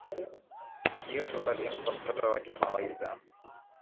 Yusuf alimpa mtoto wake mawaidha